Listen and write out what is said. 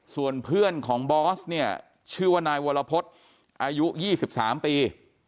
ส่วนเพื่อนของบอสเนี่ยชื่อว่านายวรพฤษอายุ๒๓ปี